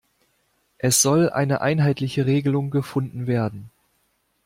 Es soll eine einheitliche Regelung gefunden werden.